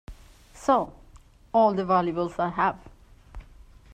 So, all the valuables I have.